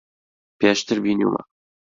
پێشتر بینیومە.